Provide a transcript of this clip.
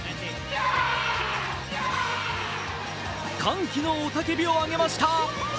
歓喜の雄たけびを上げました。